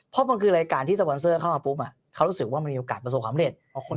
เพราะมันคือรายการที่สปอนเซอร์เข้ามาปุ๊บเขารู้สึกว่ามันมีโอกาสประสบความเร็จ